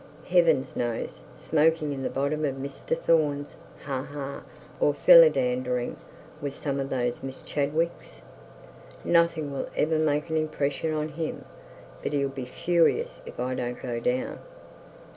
'Heaven knows! Smoking at the bottom of Mr Thorne's ha ha, or philandering with some of those Miss Chadwicks. Nothing will ever make an impression on him. But he'll be furious if I don't go down.'